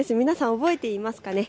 皆さん覚えていますか。